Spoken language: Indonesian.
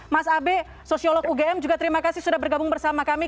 mas abe sosiolog ugm juga terima kasih sudah bergabung bersama kami